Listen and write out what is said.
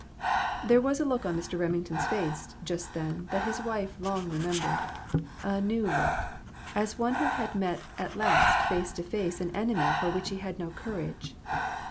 " There was a look on Mr. Remington's face just then that his wife long remembered ; a new look, as one who had met at last face to face an enemy for which he had no courage.